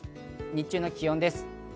日中の気温です。